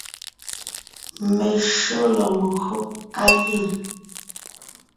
Meshÿó lɔg ńgÿo á giŋ.